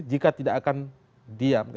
jika tidak akan diam